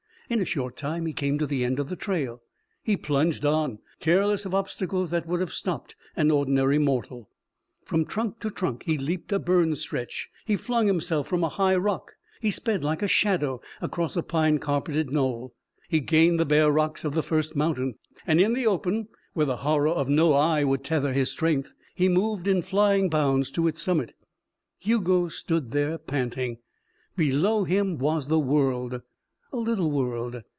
In a short time he came to the end of the trail. He plunged on, careless of obstacles that would have stopped an ordinary mortal. From trunk to trunk he leaped a burned stretch. He flung himself from a high rock. He sped like a shadow across a pine carpeted knoll. He gained the bare rocks of the first mountain, and in the open, where the horror of no eye would tether his strength, he moved in flying bounds to its summit. Hugo stood there, panting. Below him was the world. A little world.